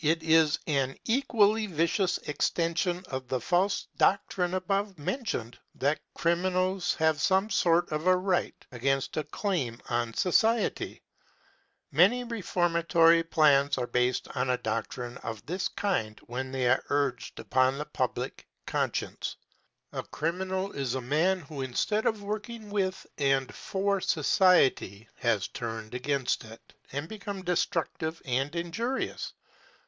It is an especially vicious extension of the false doctrine above mentioned that criminals have some sort of a right against or claim on society. Many reformatory plans are based on a doctrine of this kind when they are urged upon the public conscience. A criminal is a man who, instead of working with and for the society, has turned against it, and become destructive and injurious.